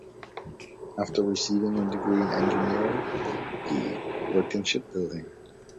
After receiving a degree in engineering, he worked in shipbuilding.